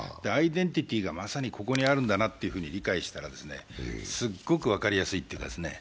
アイデンティティーがまさにここにあるんだなと理解したらすごく分かりやすいという。